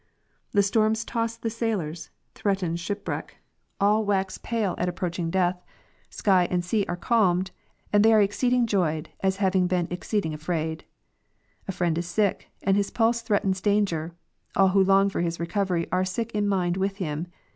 The storm tosses the sailors, threatens shipwreck ; all wax in proportion to past fear. 139 pale at approaching death ; sky and sea are calmed, and they are exceeding joyed, as having been exceeding afraid. A friend is sick, and his pulse threatens danger ; all who long for his recovery, are sick in mind with him.